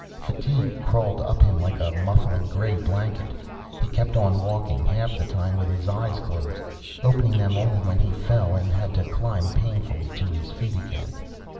Fatigue crawled up him like a muffling, gray blanket. He kept on walking, half the time with his eyes closed. Opening them only when he fell and had to climb painfully to his feet again.